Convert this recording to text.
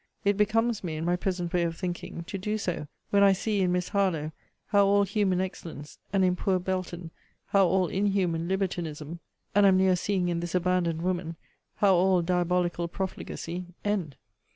It becomes me, in my present way of thinking, to do so, when I see, in Miss Harlowe, how all human excellence, and in poor Belton, how all inhuman libertinism, and am near seeing in this abandoned woman, how all diabolical profligacy, end.